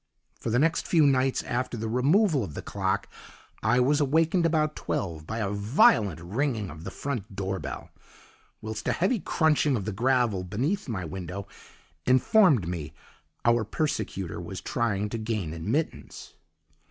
"For the next few nights after the removal of the clock I was awakened about twelve by a violent ringing of the front door bell, whilst a heavy crunching of the gravel beneath my window informed me our persecutor was trying to gain admittance.